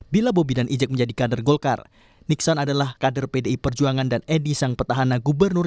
bila bobi dan ijek menjadi kader golkar niksan adalah kader pdi perjuangan dan edi sang petahana gubernur